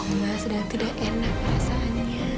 mama sedang tidak enak rasanya